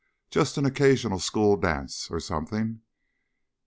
Just an occasional school dance or something.